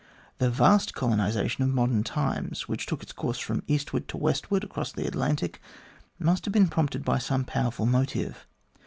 The vast colonisation of modern times, which took its course from eastward to westward across the Atlantic, must have been prompted by some powerful motive.